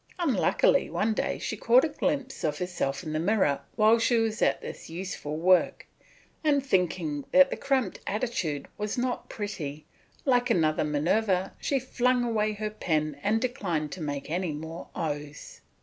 Unluckily one day she caught a glimpse of herself in the glass while she was at this useful work, and thinking that the cramped attitude was not pretty, like another Minerva she flung away her pen and declined to make any more O's.